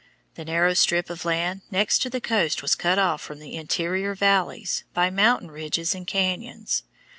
The narrow strip of land next the coast was cut off from the interior valleys by mountain ridges and cañons.